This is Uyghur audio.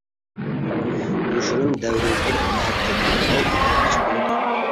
يوشۇرۇن دەۋرى بىر ھەپتىدىن ئالتە ئايغىچە بولىدۇ.